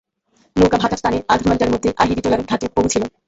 নৌকা ভাটার টানে আধ ঘণ্টার মধ্যেই আহিরিটোলার ঘাটে পঁহুছিল।